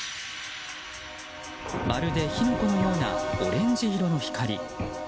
まるで火の粉のようなオレンジ色の光。